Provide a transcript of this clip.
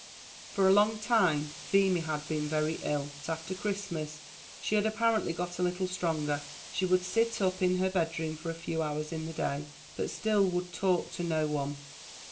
For a long time Feemy had been very ill, but after Christmas she had apparently got a little stronger; she would sit up in her bed room for a few hours in the day; but still she would talk to no one.